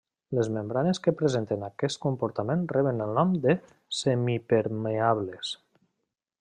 Les membranes que presenten aquest comportament reben el nom de semipermeables.